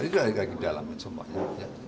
ini lagi dalam semuanya